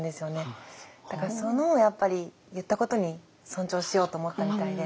だからそのやっぱり言ったことに尊重しようと思ったみたいで。